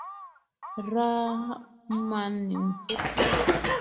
Rahma ni mfupi.